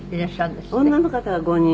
女の方が５人。